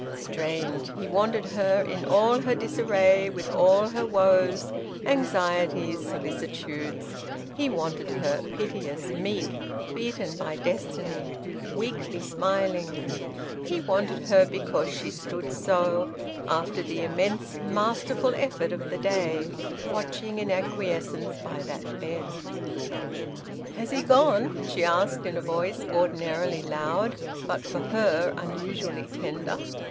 Strange: he wanted her in all her disarray, with all her woes, anxieties, solicitudes; he wanted her, piteous, meek, beaten by destiny, weakly smiling; he wanted her because she stood so, after the immense, masterful effort of the day, watching in acquiescence by that bed! "Has he gone?" she asked, in a voice ordinarily loud, but, for her, unusually tender.